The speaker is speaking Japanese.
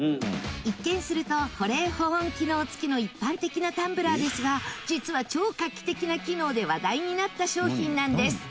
一見すると保冷・保温機能付きの一般的なタンブラーですが実は、超画期的な機能で話題になった商品なんです